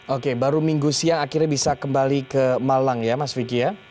oke baru minggu siang akhirnya bisa kembali ke malang ya mas vicky ya